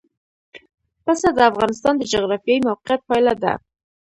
پسه د افغانستان د جغرافیایي موقیعت پایله ده.